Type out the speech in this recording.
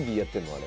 あれ。